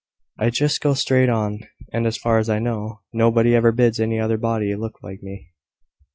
I just go straight on; and, as far as I know, nobody ever bids any other body look at me."